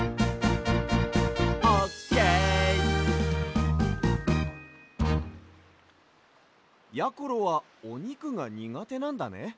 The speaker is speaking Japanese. オーケ−！やころはおにくがにがてなんだね。